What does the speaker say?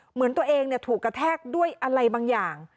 เหมือนตัวเองถูกกระแทกด้วยอะไรบางอย่าง